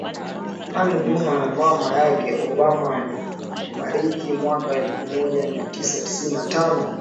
Ann Dunham mama yake Obama amefariki mwaka elfu moja mia tisa tisini na tano